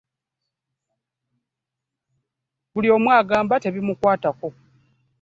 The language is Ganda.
Buli omu agamba tebimukwatako.